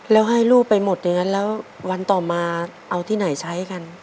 แล้วให้ลูกไปหมดอย่างนั้นแล้ววันต่อมาเอาที่ไหนใช้กัน